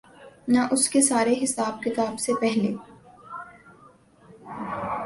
نہ کہ اس سارے حساب کتاب سے پہلے۔